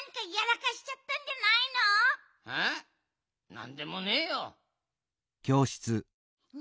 なんでもねえよ。